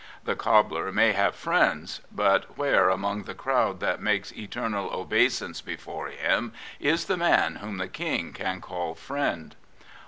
The cobbler may have friends ; but where among the crowd that makes eternal obeisance before him is the man whom the King can call friend?